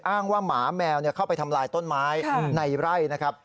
อ้างว่าหมาแมวเข้าไปทำลายต้นไม้ในไร่นะครับ